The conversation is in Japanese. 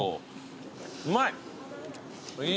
うまい！